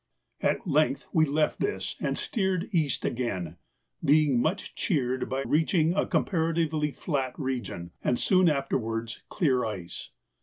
At length we left this and steered east again, being much cheered by reaching a comparatively flat region, and soon afterwards clear ice.